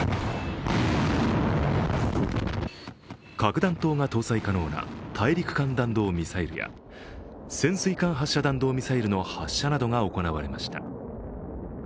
核弾頭が搭載可能な大陸間弾道ミサイルや潜水艦発射弾道ミサイルの発射などが行われました。